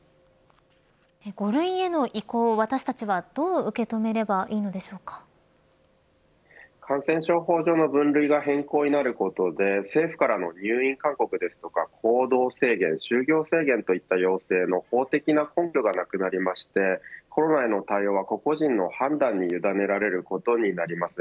５類への移行、私たちはどう受け止めれば感染症法上の分類が変更になることで政府からの入院勧告ですとか行動制限、就業制限といった要請の法的な根拠がなくなりましてコロナへの対応は個々人の判断に委ねられることになります。